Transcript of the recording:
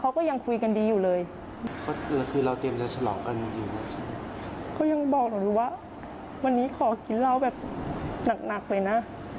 เขายังบอกหนูว่าวันนี้ขอกินร้าวแบบหนักเลยนะ